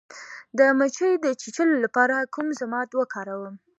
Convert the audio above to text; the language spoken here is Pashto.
د مچۍ د چیچلو لپاره کوم ضماد وکاروم؟